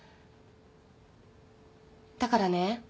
だからね